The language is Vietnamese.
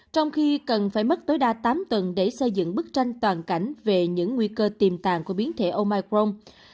trong khi cần phải mất tối đa tám tuần để xây dựng bức tranh toàn cảnh về những nguy cơ tiềm tàng của biến thể omicron